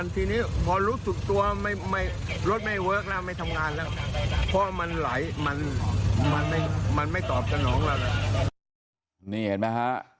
นี่เห็นไหมฮะ